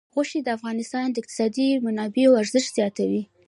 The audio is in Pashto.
غوښې د افغانستان د اقتصادي منابعو ارزښت زیاتوي.